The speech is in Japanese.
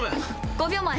５秒前！